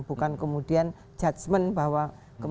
bukan kemudian judgement bahwa